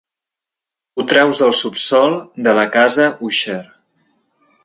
Ho treus del subsòl de la casa Usher.